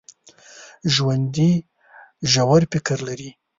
ژوندي ژور فکر لري